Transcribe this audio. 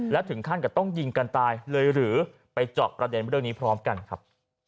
แล้วถึงขั้นกับต้องยิงกันตายเลยหรือไปเจาะประเด็นเรื่องนี้พร้อมกันครับ